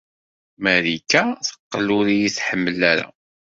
Marika teqqel ur iyi-tḥemmel ara.